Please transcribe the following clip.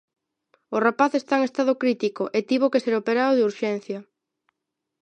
O rapaz está en estado crítico e tivo que ser operado de urxencia.